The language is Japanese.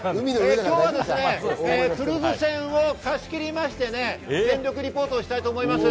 今日はクルーズ船を貸し切りまして、全力リポートしたいと思います。